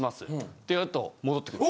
ってやると戻ってくる。